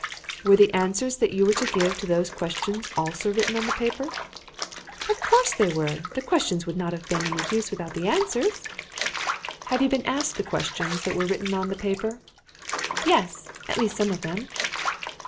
"Were the answers that you were to give to those questions also written on the paper?" "Of course they were. The questions would not have been any use without the answers." "Have you been asked the questions that were written on the paper?" "Yes; at least, some of them."